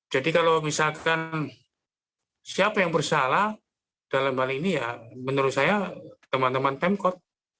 jadi kalau misalkan siapa yang bersalah dalam hal ini ya menurut saya teman teman pemkot